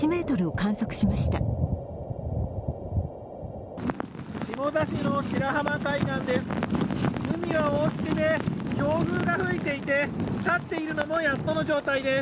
下田市の白浜海岸です。